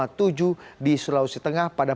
dan beri peringatan siaga dan waspada